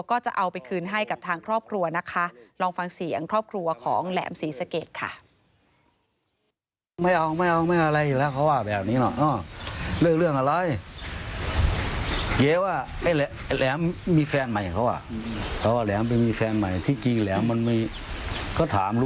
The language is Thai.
ก็จะเอาไปคืนให้กับทางครอบครัวนะคะลองฟังเสียงครอบครัวของแหลมศรีสะเกดค่ะ